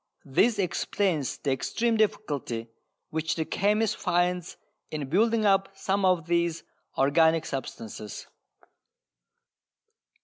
This explains the extreme difficulty which the chemist finds in building up some of these organic substances.